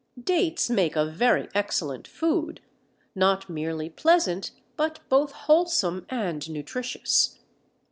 Dates make a very excellent food, not merely pleasant but both wholesome and nutritious.